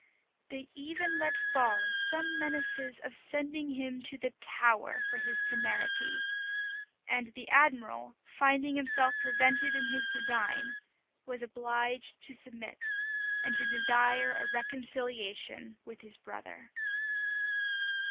They even let fall some menaces of sending him to the Tower for his temerity; and the admiral, finding himself prevented in his design, was obliged to submit, and to desire a reconciliation with his brother.